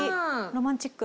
ロマンチック。